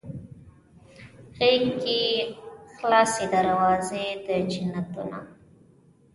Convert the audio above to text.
غیږ کې یې خلاصې دروازې د جنتونه